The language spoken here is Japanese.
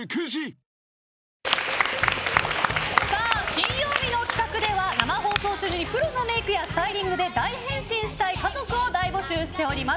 金曜日の企画では生放送中にプロのメイクやスタイリングで大変身したい家族を大募集しております。